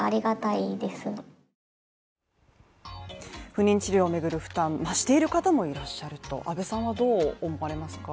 不妊治療を巡る負担増している方もいらっしゃると安部さんはどう思われますか。